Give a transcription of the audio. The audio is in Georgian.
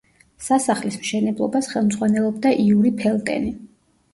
სასახლის მშენებლობას ხელმძღვანელობდა იური ფელტენი.